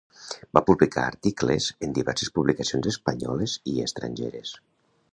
Va publicar articles en diverses publicacions espanyoles i estrangeres.